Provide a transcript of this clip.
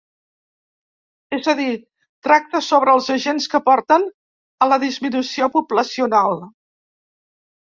És a dir, tracta sobre els agents que porten a la disminució poblacional.